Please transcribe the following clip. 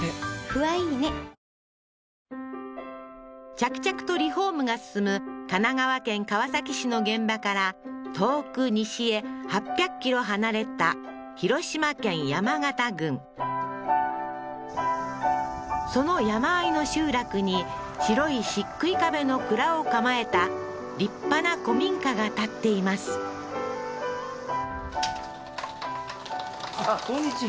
着々とリフォームが進む神奈川県川崎市の現場から遠く西へ８００ｋｍ離れたその山あいの集落に白いしっくい壁の蔵を構えた立派な古民家が建っていますあっこんにちは